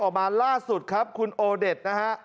ออกมาล่าสุดครับคุณโอเด็ด